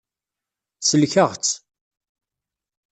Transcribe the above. Sellkeɣ-tt.